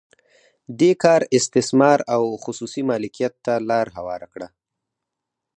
دې کار استثمار او خصوصي مالکیت ته لار هواره کړه.